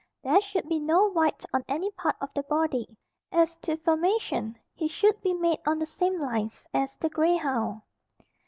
There should be no white on any part of the body. As to formation, he should be made on the same lines as the grey hound.